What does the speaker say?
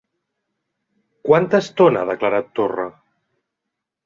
Quanta estona ha declarat Torra?